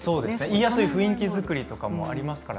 言いやすい雰囲気作りもありますね。